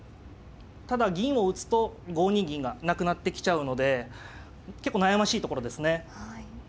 ただ銀を打つと５二銀がなくなってきちゃうので結構悩ましいところですね。